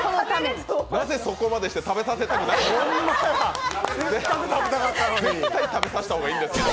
なぜそこまでして、食べさせたくないんですか？